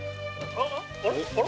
あれ？